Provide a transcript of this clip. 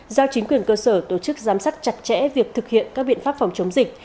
giao chính quyền cơ sở tổ chức giám sát chặt chẽ việc thực hiện các biện pháp phòng chống dịch